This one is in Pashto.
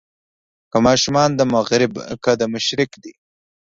که ماشومان د مغرب که د مشرق دي.